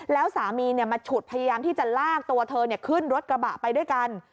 แล้วสามีมาฉุดพยายามที่จะลากตัวเธอขึ้นรถกระบะไปด้วยกัน